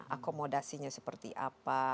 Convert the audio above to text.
akomodasinya seperti apa